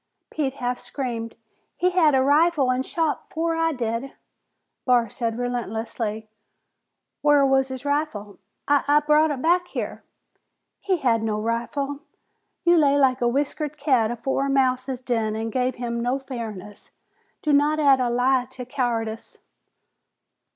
Pete half screamed. "He had a rifle an' shot afore I did!" Barr said relentlessly, "Whar was his rifle?" "I I brought it back here!" "He had no rifle! You lay like a whiskered cat afore a mouse's den an' gave him no fairness. Do not add a lie to cowardice."